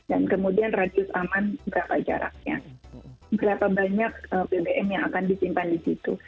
dan kemudian radius aman berapa jaraknya berapa banyak bbm yang akan disimpan di situ